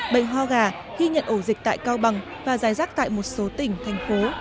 bệnh ho gà ghi nhận ổ dịch tại cao bằng và giải rác tại một số tỉnh thành phố